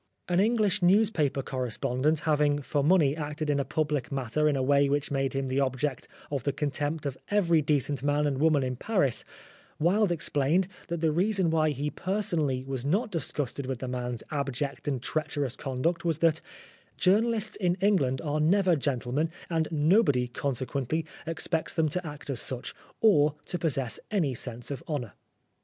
An English newspaper correspondent having for money acted in a public matter in a way which made him the object of the contempt of every decent man and woman in Paris, Wilde explained that the reason why he personally was not disgusted with the man's abject and treacherous conduct was that "journalists in England are never gentlemen and nobody, consequently, expects them to act as such, or to possess any sense of honour."